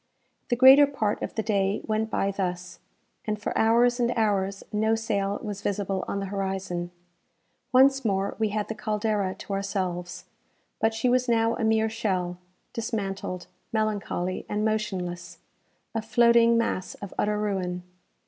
The greater part of the day went by thus, and for hours and hours no sail was visible on the horizon. Once more we had the "Caldera" to ourselves; but she was now a mere shell, dismantled, melancholy, and motionless a floating mass of utter ruin!